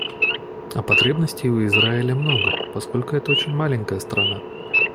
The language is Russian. А потребностей у Израиля много, поскольку — это очень маленькая страна.